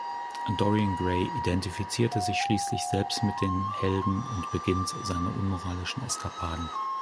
Dorian Gray identifiziert sich schließlich selbst mit dem Helden und beginnt seine unmoralischen Eskapaden.